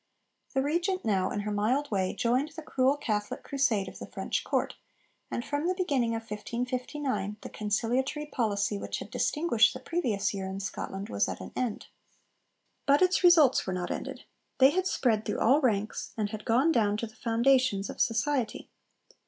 The Regent now, in her mild way, joined the cruel Catholic crusade of the French Court, and from the beginning of 1559 the conciliatory policy which had distinguished the previous year in Scotland was at an end. But its results were not ended. They had spread through all ranks, and had gone down to the foundations of society.